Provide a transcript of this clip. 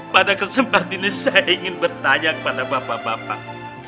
pada kesempatan ini saya ingin bertanya kepada bapak bapak